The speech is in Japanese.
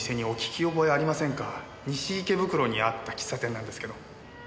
西池袋にあった喫茶店なんですけど。